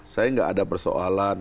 saya gak ada persoalan